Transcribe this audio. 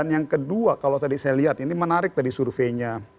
yang kedua kalau tadi saya lihat ini menarik tadi surveinya